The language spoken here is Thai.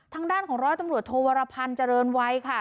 ทางด้านของร้อยตำรวจโทวรพันธ์เจริญวัยค่ะ